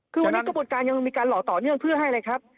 คือวันนี้กระบวนการยังมีการหล่อต่อเนื่องเพื่อให้อะไรครับ